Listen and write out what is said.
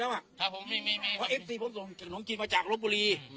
เนี่ยเย็กเย็กหรือแบบนี้เลยโอเคอ่ะขอบคุณครับครับนี่